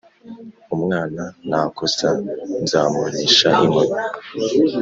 umwana Nakosa nzamuhanisha inkoni